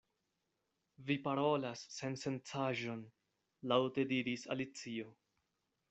"Vi parolas sensencaĵon," laŭte diris Alicio.